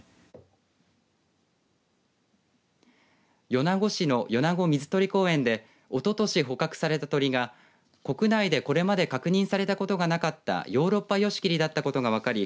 米子市の米子水鳥公園でおととし捕獲された鳥が国内でこれまで確認されたことがなかったヨーロッパヨシキリだったことが分かり